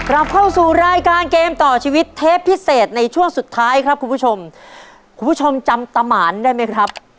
เราเข้าสู่รายการเกมต่อชีวิตเทปพิเศษในช่วงสุดท้ายครับคุณผู้ชมคุณผู้ชมจำตาหมานได้ไหมครับ